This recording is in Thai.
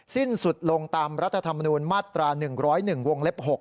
สิ้นสุดลงตามรัฐธรรมนูญมาตรา๑๐๑วงเล็บ๖